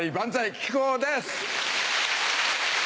木久扇です。